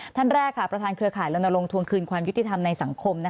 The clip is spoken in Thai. ท่านแรกประธานเครือข่ายลนลงทวงคืนความยุติธรรมในสังคม